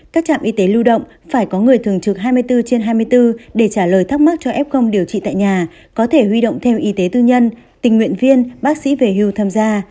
các trạm y tế lưu động phải có người thường trực hai mươi bốn trên hai mươi bốn để trả lời thắc mắc cho f điều trị tại nhà có thể huy động thêm y tế tư nhân tình nguyện viên bác sĩ về hưu tham gia